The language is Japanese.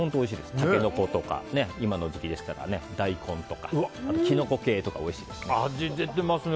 タケノコとか今の時期でしたら大根とかキノコ系とかおいしいですね。